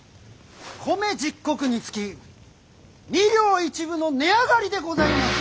米十石につき二両一分の値上がりでございます。